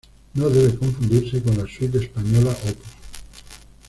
No debe confundirse con la "Suite española Op.